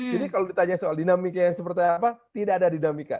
jadi kalau ditanya soal dinamika yang seperti apa tidak ada dinamika